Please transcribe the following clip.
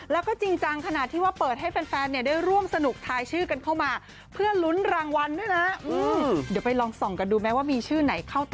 แล้วก็จริงจังขนาดที่ว่าเปิดให้แฟนเนี่ยได้ร่วมสนุกทายชื่อกันเข้ามา